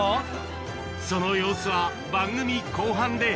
その様子は、番組後半で。